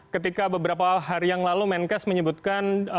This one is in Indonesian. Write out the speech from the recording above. ketika beberapa hari yang lalu menkes menyebutkan